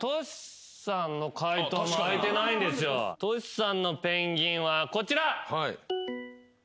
としさんの「ペンギン」はこちら。